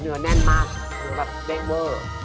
เนื้อแน่นมากแบบเด้งเวล